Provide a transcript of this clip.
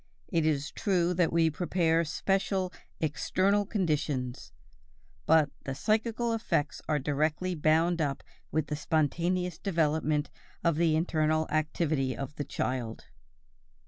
It is true that we prepare special "external conditions"; but the psychical effects are directly bound up with the spontaneous development of the internal activity of the child.